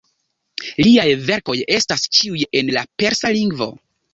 Liaj verkoj estas ĉiuj en la persa lingvo.